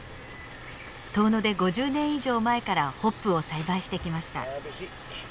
遠野で５０年以上前からホップを栽培してきました。